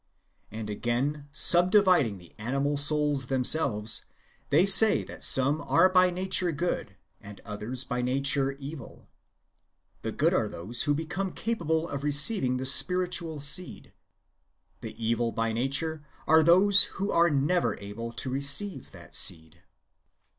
And again subdividing the animal souls themselves, they say that some are by nature good, and others by nature evil. The good are those who become capable of receiving the [spiritual] seed ; the evil by nature are those wdio are never able to receive that seed.